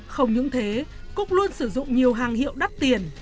không những thế cúc luôn sử dụng nhiều hàng hiệu đắt tiền